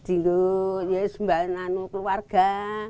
untuk sembahkan keluarga